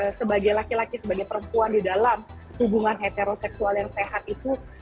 sebagai laki laki sebagai perempuan di dalam hubungan heteroseksual yang sehat itu